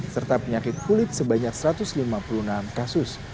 serta penyakit kulit sebanyak satu ratus lima puluh enam kasus